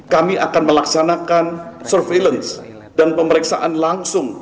kami akan melaksanakan surveillance dan pemeriksaan langsung